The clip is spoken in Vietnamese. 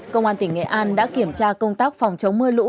công an tỉnh nghệ an đã kiểm tra công tác phòng chống mưa lũ